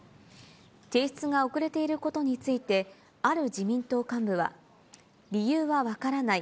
提出が遅れていることについて、ある自民党幹部は、理由は分からない。